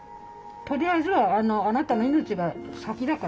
とりあえずはあなたの命が先だからね。